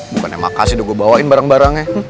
bukannya makasih udah gue bawain barang barangnya